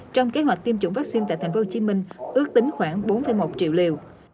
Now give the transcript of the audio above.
trong kế hoạch tiêm chủng vaccine tại thành phố hồ chí minh ước tính khoảng bốn một triệu liều